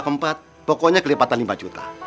keempat pokoknya kelipatan lima juta